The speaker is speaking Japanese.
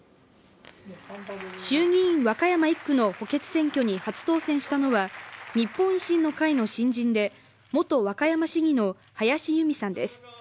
衆議院和歌山１区の補欠選挙に初当選したのは日本維新の会の新人で元和歌山市議の林佑美さんです。